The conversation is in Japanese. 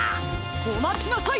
おまちなさい！